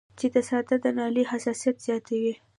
چې د ساه د نالۍ حساسيت زياتوي